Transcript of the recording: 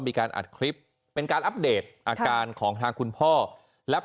มีการอัดคลิปเป็นการอัปเดตอาการของทางคุณพ่อและ